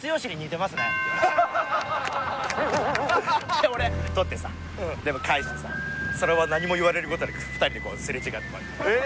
で俺撮ってさ返してさそのまま何も言われることなく２人とこうすれ違って終わり。え？